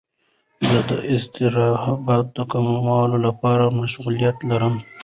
زه د اضطراب د کمولو لپاره مشغولیت لرم.